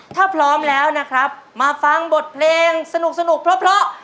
ถ้าพร้อมแล้วนะครับมาฟังบทเพลงสนุกเพราะ